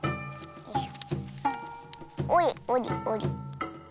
よいしょ。